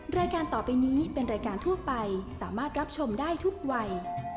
รายการต่อไปนี้เป็นรายการทั่วไปสามารถรับชมได้ทุกวัย